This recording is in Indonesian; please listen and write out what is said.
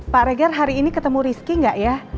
pak regar hari ini ketemu rizky nggak ya